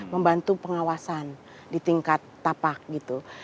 membantu pengawasan di tingkat tapak gitu